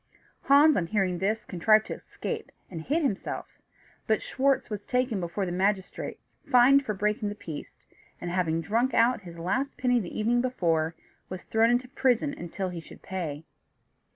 Hans, on hearing this, contrived to escape, and hid himself; but Schwartz was taken before the magistrate, fined for breaking the peace, and, having drunk out his last penny the evening before, was thrown into prison till he should pay.